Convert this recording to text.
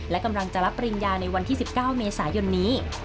และกำลังจะรับปริญญาในวันที่๑๙เมษายนนี้